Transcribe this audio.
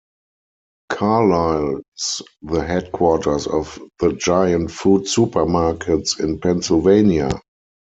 Carlisle is the headquarters of the Giant Food supermarkets in Pennsylvania.